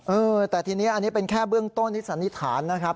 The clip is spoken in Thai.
เออแต่ทีนี้อันนี้เป็นแค่เบื้องต้นที่สันนิษฐานนะครับ